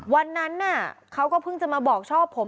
วันนั้นเขาก็เพิ่งจะมาบอกชอบผม